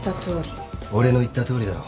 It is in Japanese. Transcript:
俺の言ったとおりだろ。